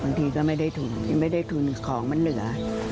บางทีก็ไม่ได้ทุนไม่ได้ทุนของมันเหลือ